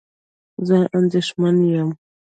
زه اندېښمن یم